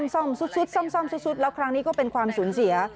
ซ่อมซุดซ่อมซุดแล้วครั้งนี้ก็เป็นความสูญเสีย